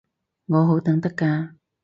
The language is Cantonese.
我好等得㗎